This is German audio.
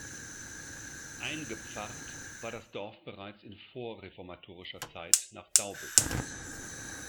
Eingepfarrt war das Dorf bereits in vorreformatorischer Zeit nach Daubitz.